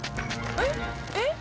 えっ？えっ？